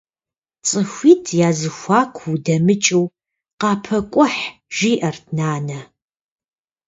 Цӏыхуитӏ язэхуаку удэмыкӏыу, къапэкӏухь, жиӏэрт нанэ.